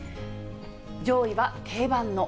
上位は定番の。